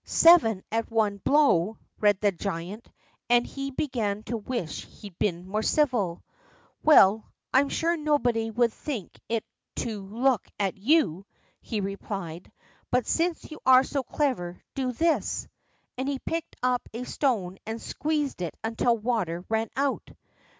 "Seven at one blow," read the giant, and he began to wish he'd been more civil. "Well, I'm sure nobody would think it to look at you," he replied; "but since you are so clever, do this," and he picked up a stone and squeezed it until water ran out.